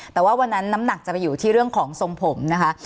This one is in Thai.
แต่ว่าวันนั้นน้ำหนักจะไปอยู่ที่เรื่องของทรงผมนะคะ